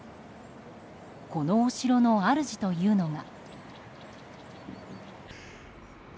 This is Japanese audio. このお城の主というのが。